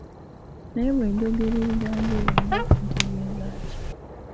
Naye bwe njogera ebigambo ebyo mba ntegeeza ki?